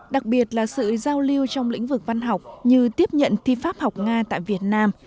đặc biệt là sự giao lưu trong lĩnh vực văn học như tiếp nhận thi pháp học nga tại việt nam